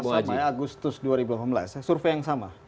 bahwa agustus dua ribu delapan belas survei yang sama